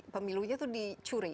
pemilunya itu dicuri